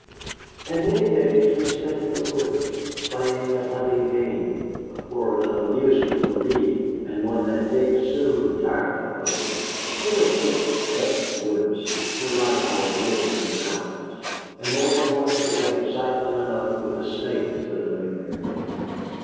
And many days we spent in the wood, playing at hunting game a poor enough amusement for me, and one that Nick soon tired of. They were thick, wet woods, unlike our woods of the mountains; and more than once we had excitement enough with the snakes that lay there.